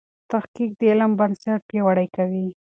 تحقیق د علم بنسټ پیاوړی کوي.